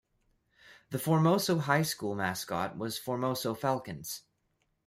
The Formoso High School mascot was Formoso Falcons.